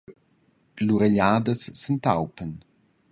Lur egliadas s’entaupan.